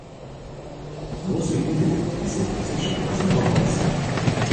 More significant is his position as a novelist.